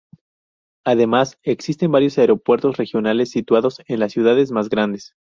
Además, existen varios aeropuertos regionales situados en las ciudades más grandes.